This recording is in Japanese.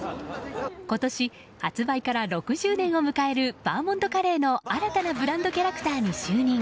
今年、発売から６０年を迎えるバーモントカレーの新たなブランドキャラクターに就任。